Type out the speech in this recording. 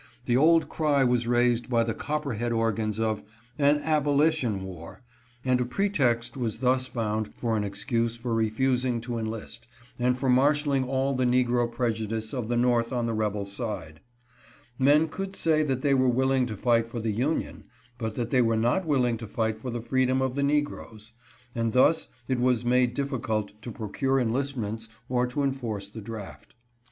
The old cry was raised by the copperhead organs of " an abolition war," and a pretext was thus found for an excuse for refusing to enlist, and for marshaling all the negro prejudice of the North on the rebel side. Men could say they were willing to fight for the Union, but that they were not willing to fight for the freedom of the negroes ; and thus it was made difficult to procure enlistments or to enforce the draft.